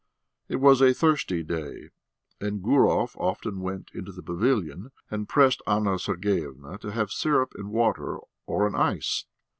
It was a thirsty day, and Gurov often went into the pavilion, and pressed Anna Sergeyevna to have syrup and water or an ice.